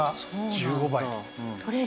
１５倍！